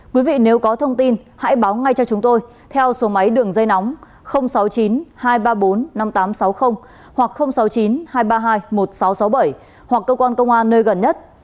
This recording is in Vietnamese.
quý vị nếu có thông tin hãy báo ngay cho chúng tôi theo số máy đường dây nóng sáu mươi chín hai trăm ba mươi bốn năm nghìn tám trăm sáu mươi hoặc sáu mươi chín hai trăm ba mươi hai một nghìn sáu trăm sáu mươi bảy hoặc cơ quan công an nơi gần nhất